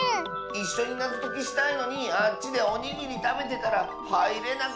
いっしょになぞときしたいのにあっちでおにぎりたべてたらはいれなくなっちゃったよ。